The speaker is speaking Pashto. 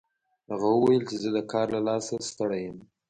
هغه وویل چې زه د کار له لاسه ستړی یم